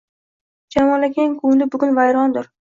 Jamol akang ko‘ngli bugun vayrondir